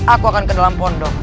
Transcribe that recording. aku akan ke dalam pondok